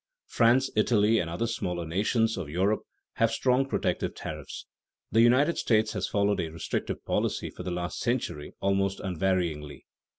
France, Italy, and other smaller nations of Europe have strong protective tariffs. The United States has followed a restrictive policy for the last century almost unvaryingly.